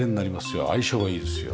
相性がいいですよ。